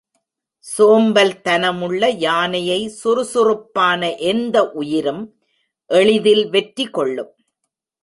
சோம்பல் தனமுள்ள யானையை சுறுசுறுப் பான எந்த உயிரும் எளிதில் வெற்றி கொள்ளும்.